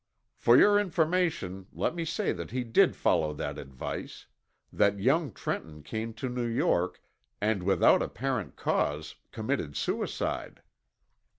"For your information let me say that he did follow that advice, that Young Trenton came to New York and, without apparent cause, committed suicide.